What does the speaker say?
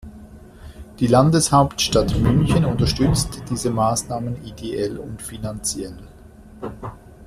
Die Landeshauptstadt München unterstützt diese Maßnahmen ideell und finanziell.